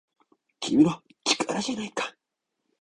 「君の！力じゃないか!!」